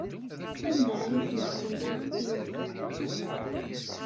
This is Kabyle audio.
Anda ay asen-tesnedḥeḍ times?